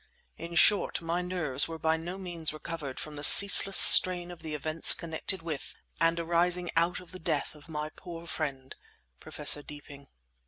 In short, my nerves were by no means recovered from the ceaseless strain of the events connected with and arising out of the death of my poor friend, Professor Deeping.